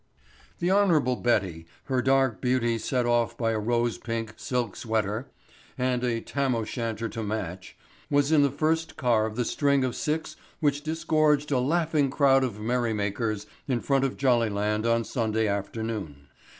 The Hon. Betty, her dark beauty set off by a rose pink silk sweater and a Tam o' Shanter to match, was in the first car of the string of six which disgorged a laughing crowd of merry makers in front of Jollyland on Sunday afternoon.